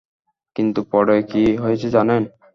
কিন্তু পড়ে কি হয়েছে জানেন?